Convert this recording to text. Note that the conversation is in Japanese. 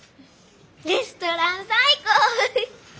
レストラン最高！